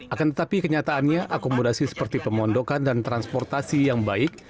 akan tetapi kenyataannya akomodasi seperti pemondokan dan transportasi yang baik